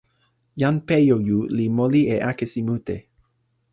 jan Pejoju li moli e akesi mute.